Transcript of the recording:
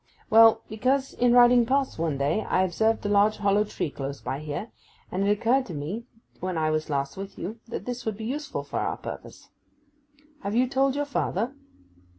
Well, because in riding past one day I observed a large hollow tree close by here, and it occurred to me when I was last with you that this would be useful for our purpose. Have you told your father?